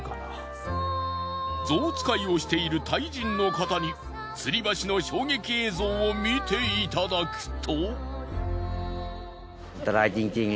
ゾウ使いをしているタイ人の方に吊り橋の衝撃映像を見て頂くと。